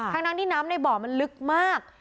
ทั้งที่น้ำในบ่อมันลึกมาก